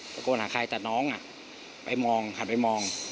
ตะโกนหาใครแต่น้องไปมองหันไปมอง